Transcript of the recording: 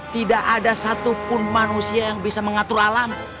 tidak ada satupun manusia yang bisa mengatur alam